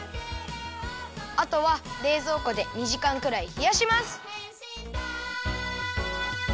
あとはれいぞうこで２じかんくらいひやします。